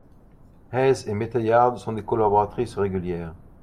Hays et Meteyard sont des collaboratrices régulières.